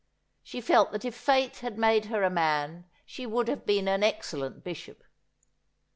She felt that if Fate had made her a man she would have been an excellent bishop.